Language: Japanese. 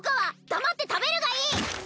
黙って食べるがいい！